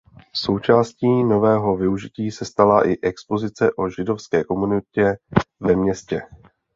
Součástí nového využití se stala i expozice o židovské komunitě ve městě.